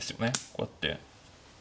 こうやって。